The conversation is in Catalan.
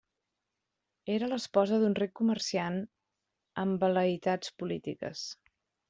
Era l'esposa d'un ric comerciant amb vel·leïtats polítiques.